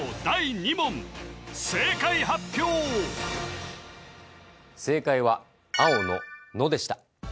第２問正解発表正解は青の「ノ」でした